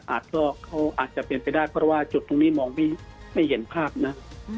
เขาอาจจะเป็นไปได้เพราะว่าจุดตรงนี้มองไม่เห็นภาพนะ